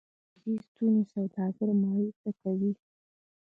د ویزې ستونزې سوداګر مایوسه کوي.